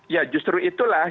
ya justru itulah